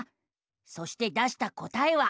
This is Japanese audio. そして出した答えは。